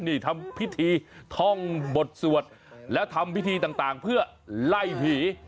นี่ทำพิธีท่องบทสวดแล้วทำพิธีต่างเพื่อไล่ผี